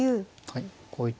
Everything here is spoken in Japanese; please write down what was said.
はい。